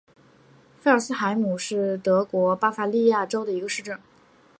菲尔斯海姆是德国巴伐利亚州的一个市镇。